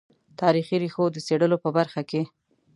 تاریخي ریښو د څېړلو په برخه کې.